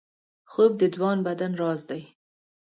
خوب د ځوان بدن راز دی